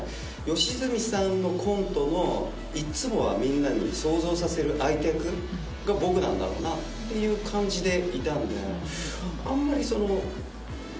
吉住さんのコントのいつもはみんなに想像させる相手役が僕なんだろうなっていう感じでいたんであんまりその。